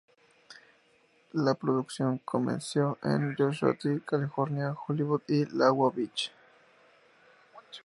La producción ha comenzado en Joshua Tree, California; Hollywood, y Laguna Beach.